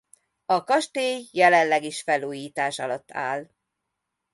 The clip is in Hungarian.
A kastély jelenleg is felújítás alatt áll.